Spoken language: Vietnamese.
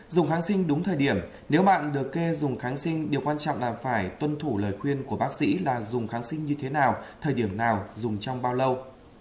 dùng kháng sinh đúng thời điểm nếu bạn được kê dùng kháng sinh điều quan trọng là phải tuân thủ lời khuyên của bác sĩ là dùng kháng sinh như thế nào thời điểm nào dùng trong bao lâu